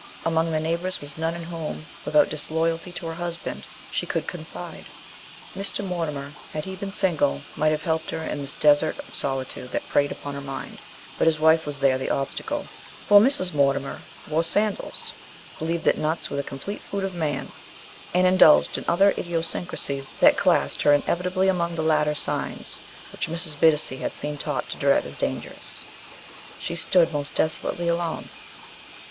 Among the neighbors was none in whom, without disloyalty to her husband, she could confide. Mr. Mortimer, had he been single, might have helped her in this desert of solitude that preyed upon her mind, but his wife was there the obstacle; for Mrs. Mortimer wore sandals, believed that nuts were the complete food of man, and indulged in other idiosyncrasies that classed her inevitably among the "latter signs" which Mrs. Bittacy had been taught to dread as dangerous. She stood most desolately alone.